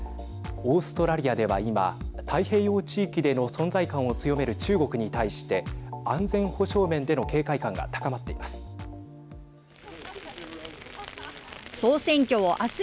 オーストラリアでは今太平洋地域での存在感を強める中国に対して安全保障面での警戒感が高まっています。